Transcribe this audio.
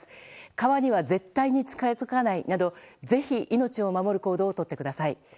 川には絶対に近づかないなどぜひ命を守る行動をとってください。